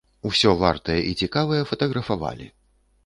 Усё вартае і цікавае фатаграфавалі.